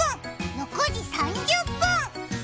６時３０分！